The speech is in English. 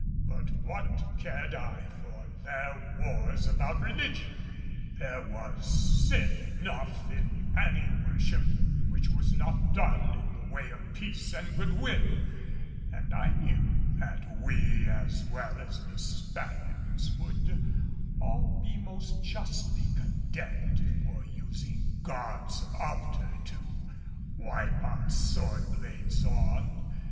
But what cared I for their wars about religion? There was sin enough in any worship which was not done in the way of peace and good will and I knew that we as well as the Spaniards would all be most justly condemned for using God's altar to wipe our sword blades on.